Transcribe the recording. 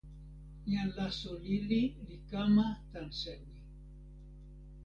jan laso lili li kama tan sewi.